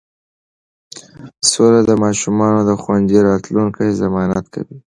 سوله د ماشومانو د خوندي راتلونکي ضمانت کوي.